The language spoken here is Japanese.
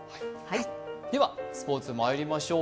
ではスポーツにまいりましょう。